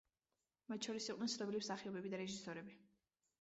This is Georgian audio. მათ შორის იყვნენ ცნობილი მსახიობები და რეჟისორები.